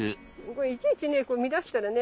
これいちいちね見だしたらね